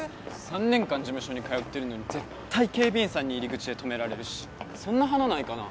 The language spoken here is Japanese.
３年間事務所に通ってるのに絶対警備員さんに入り口で止められるしそんな華ないかな？